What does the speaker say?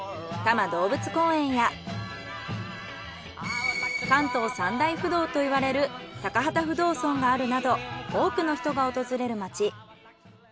多摩動物公園や関東三大不動といわれる高幡不動尊があるなど多くの人が訪れる町。